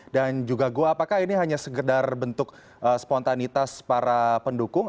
juga gua apakah ini hanya segedar bentuk spontanitas para pendukung